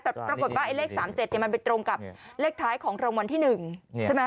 แต่ปรากฏว่าไอ้เลข๓๗มันไปตรงกับเลขท้ายของรางวัลที่๑ใช่ไหม